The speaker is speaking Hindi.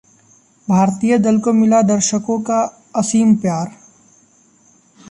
भारतीय दल को मिला दर्शकों का असीम प्यार